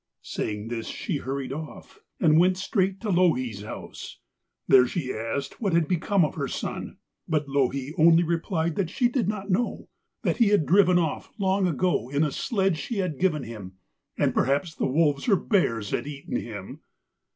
Saying this she hurried off, and went straight to Louhi's house. There she asked what had become of her son, but Louhi only replied that she did not know, that he had driven off long ago in a sledge she had given him, and perhaps the wolves or bears had eaten him.